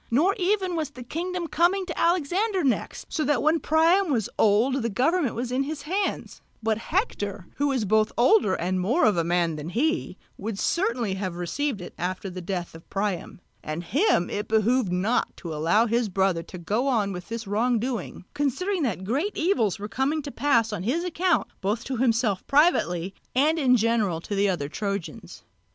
Nor even was the kingdom coming to Alexander next, so that when Priam was old the government was in his hands; but Hector, who was both older and more of a man than he, would certainly have received it after the death of Priam; and him it behoved not to allow his brother to go on with his wrong doing, considering that great evils were coming to pass on his account both to himself privately and in general to the other Trojans.